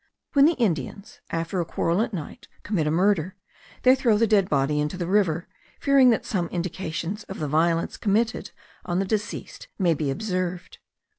When the Indians, after a quarrel at night, commit a murder, they throw the dead body into the river, fearing that some indications of the violence committed on the deceased may be observed.